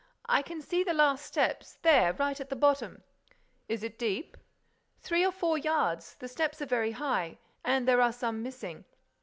I can see the last steps, there, right at the bottom." "Is it deep?" "Three or four yards. The steps are very high—and there are some missing."